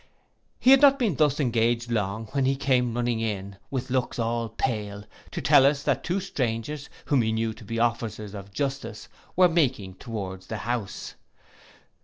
He had not been thus engaged long, when he came running in, with looks all pale, to tell us that two strangers, whom he knew to be officers of justice, were making towards the house.